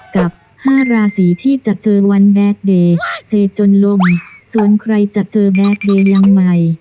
กับห้าราศีที่จะเจอวันแดดเดย์เสจนลมส่วนใครจะเจอแดดเดย์ยังไง